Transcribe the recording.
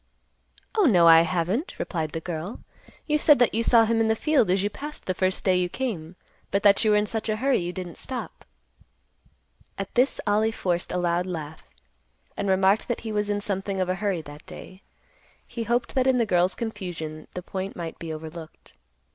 "Oh, no, I haven't," replied the girl. "You said that you saw him in the field as you passed the first day you came, but that you were in such a hurry you didn't stop." At this Ollie forced a loud laugh, and remarked that he was in something of a hurry that day. He hoped that in the girl's confusion the point might be overlooked.